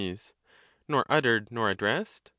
Nor uttered nor addressed?